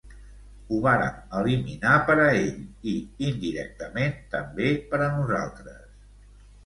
Ho vàrem eliminar per a ell, i, indirectament, també per a nosaltres.